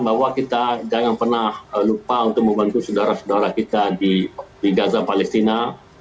bahwa kita jangan pernah lupa untuk membantu saudara saudara kita di gaza palestina